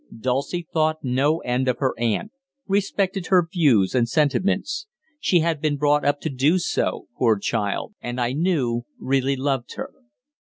Dulcie thought no end of her aunt, respected her views and sentiments she had been brought up to do so, poor child and, I knew, really loved her.